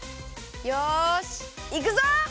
よしいくぞ！